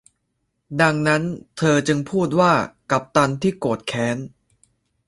ดังนั้นเธอจึงพูดว่ากัปตันที่โกรธแค้น